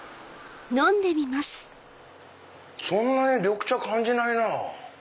そんなに緑茶感じないなぁ。